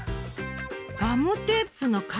ガムテープの鍵？